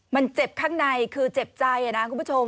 มันเจ็บข้างในคือเจ็บใจนะคุณผู้ชม